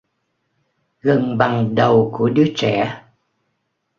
Gần bằng đầu của đứa trẻ